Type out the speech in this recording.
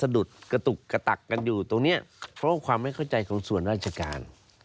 ดูตรงเนี้ยเพราะความไม่เข้าใจของส่วนราชการ